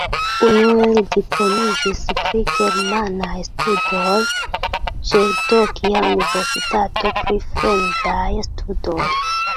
Unue li diplomiĝis pri germanaj studoj ĉe Tokia Universitato pri Fremdaj Studoj.